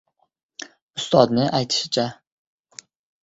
Ustodning aytishicha: